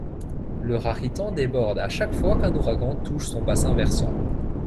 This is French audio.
Le Raritan déborde à chaque fois qu'un ouragan touche son bassin versant.